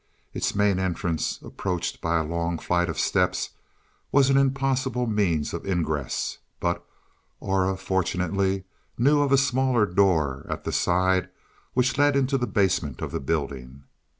Its main entrance, approached by a long flight of steps, was an impossible means of ingress, but Aura fortunately knew of a smaller door at the side which led into the basement of the building.